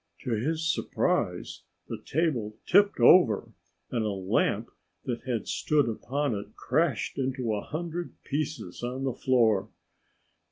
To his surprise, the table tipped over and a lamp that had stood upon it crashed into a hundred pieces on the floor.